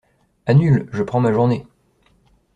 Annule. Je prends ma journée.